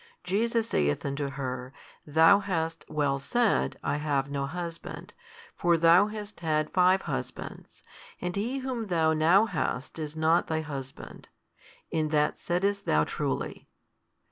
Jesus saith unto her, Thou hast well said I have no husband: for thou hast had five husbands; and he whom thou now hast is not thy husband: in that saidst thou truly.